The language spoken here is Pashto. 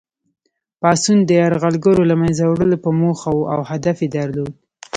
پاڅون د یرغلګرو له منځه وړلو په موخه وو او هدف یې درلود.